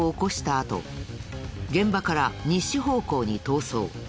あと現場から西方向に逃走。